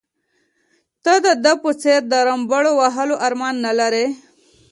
ته د ده په څېر د رمباړو وهلو ارمان نه لرې.